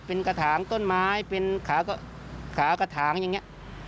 เป็นกระถางต้นไม้เป็นขากระถางอย่างนี้